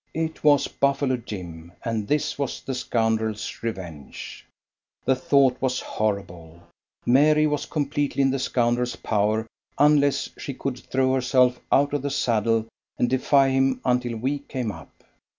It was Buffalo Jim, and this was the scoundrel's revenge. The thought was horrible. Mary was completely in the scoundrel's power, unless she could throw herself out of the saddle and defy him until we came up.